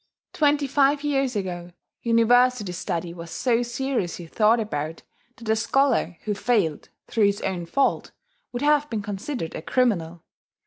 Twenty five years ago, University study was so seriously thought about that a scholar who failed, through his own fault, would have been considered a criminal.